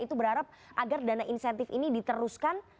itu berharap agar dana insentif ini diteruskan